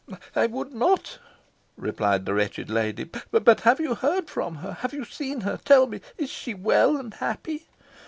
"I would not," replied the wretched lady. "But have you heard from her have you seen her? Tell me, is she well and happy?"